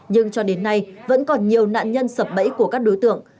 nhưng cho đến nay vẫn còn nhiều nạn nhân sập bẫy của các đối tượng